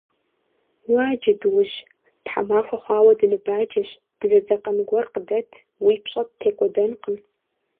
- Уа, джэдуужь, тхьэмахуэ хъуауэ дыныбаджэщ, дызэдзэкъэн гуэр къыдэт, уи пщӏэ ттекӏуэдэнкъым.